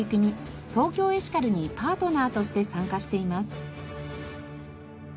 ＴＯＫＹＯエシカルにパートナーとして参加しています。